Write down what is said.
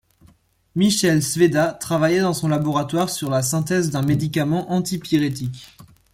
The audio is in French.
Michael Sveda travaillait dans son laboratoire sur la synthèse d'un médicament antipyrétique.